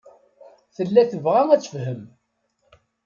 Tella tebɣa ad tefhem.